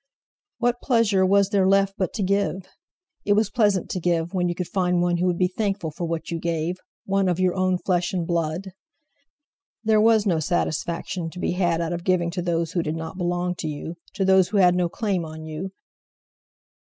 What pleasure was there left but to give? It was pleasant to give, when you could find one who would be thankful for what you gave—one of your own flesh and blood! There was no such satisfaction to be had out of giving to those who did not belong to you, to those who had no claim on you!